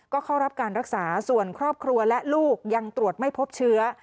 ก็เข้ารับการรักษาส่วนครอบครัวและลูกยังตรวจไม่พบเชื้อ